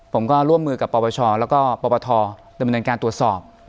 ผมก็ร่วมมือกับปปชแล้วก็ปปทดำเนินการตรวจสอบ